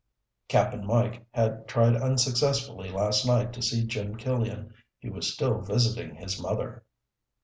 Cap'n Mike had tried unsuccessfully last night to see Jim Killian. He was still visiting his mother.